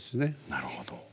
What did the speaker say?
なるほど。